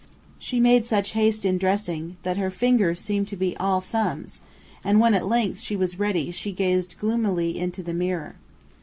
She made such haste in dressing that her fingers seemed to be "all thumbs"; and when at length she was ready she gazed gloomily into the mirror.